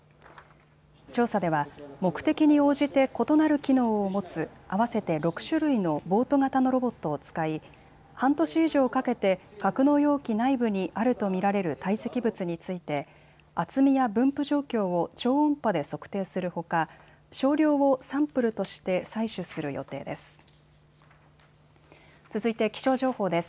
調査では目的に応じて異なる機能を持つ、合わせて６種類のボート型のロボットを使い半年以上かけて格納容器内部にあると見られる堆積物について厚みや分布状況を超音波で測定するほか少量をサンプルとして採取する予定です。